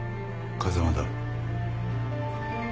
風間だ。